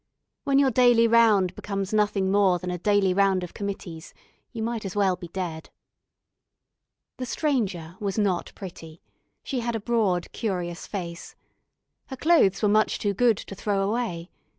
When your daily round becomes nothing more than a daily round of committees you might as well be dead. The Stranger was not pretty; she had a broad, curious face. Her clothes were much too good to throw away.